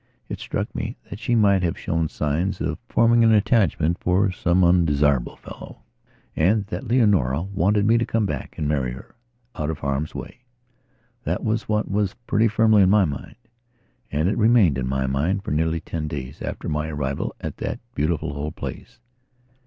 It struck me that she might have shown signs of forming an attachment for some undesirable fellow and that Leonora wanted me to come back and marry her out of harm's way. That was what was pretty firmly in my mind. And it remained in my mind for nearly ten days after my arrival at that beautiful old place.